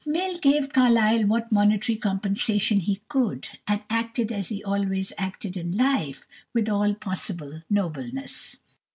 Mill gave Carlyle what monetary compensation he could, and acted, as he always acted in life, with all possible nobleness.